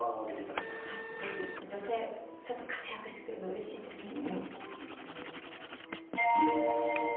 女性が活躍してくれるのはうれしいですね。